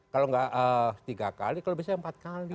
kalau nggak tiga kali kalau bisa empat kali